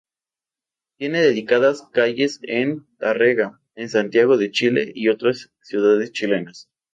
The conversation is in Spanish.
Tiene dedicadas calles en Tárrega, en Santiago de Chile y otras ciudades chilenas.